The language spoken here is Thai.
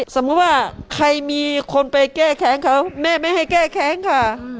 สมมุติว่าใครมีคนไปแก้แค้นเขาแม่ไม่ให้แก้แค้นค่ะ